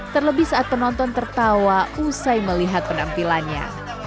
terlebih saat penonton tertawa usai melihat penampilannya